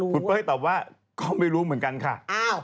คุณเป้ยตอบว่าก็ไม่รู้เหมือนกันค่ะ